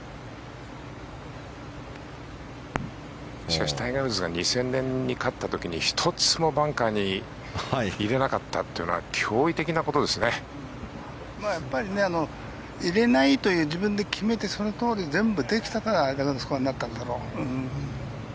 しかし、タイガー・ウッズが２０００年に勝った時に１つもバンカーに入れなかったというのはやっぱり入れないと自分で決めてそのとおり全部できたからあれだけのスコアになったんだろう。